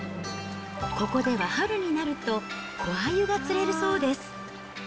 ここでは春になると、小鮎が釣れるそうです。